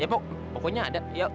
ya pokoknya ada